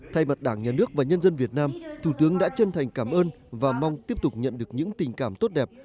thay mặt đảng nhà nước và nhân dân việt nam thủ tướng đã chân thành cảm ơn và mong tiếp tục nhận được những tình cảm tốt đẹp